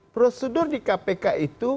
prosedur di kpk itu